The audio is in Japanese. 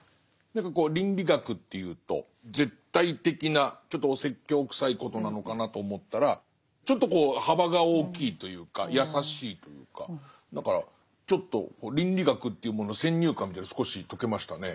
何かこう倫理学っていうと絶対的なちょっとお説教くさいことなのかなと思ったらちょっと幅が大きいというか優しいというかだからちょっと倫理学というものの先入観みたいなの少し解けましたね。